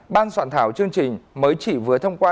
ban soạn thảo chương trình mới chỉ vừa thông qua